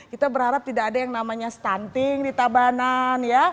kita berharap tidak ada yang namanya stunting di tabanan ya